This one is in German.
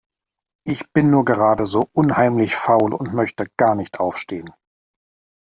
Ich bin nur gerade so unheimlich faul und möchte gar nicht aufstehen.